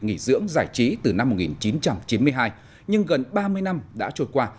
nghỉ dưỡng giải trí từ năm một nghìn chín trăm chín mươi hai nhưng gần ba mươi năm đã trôi qua